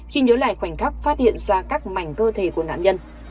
khi nhớ lại khoảnh khắc phát hiện ra các mảnh cơ thể của nạn nhân